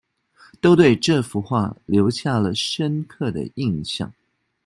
都對這幅畫留下了深刻的印象